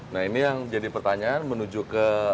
nah ini yang jadi pertanyaan menuju ke